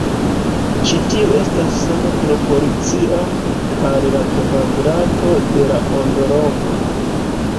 Ĉi tiu estas same proporcia al la kvadrato de la ondolongo.